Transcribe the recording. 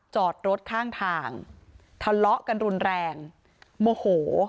จอดรถข้างทางทะเลาะกันรุนแรงโมโห